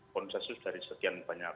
konsensus dari sekian banyak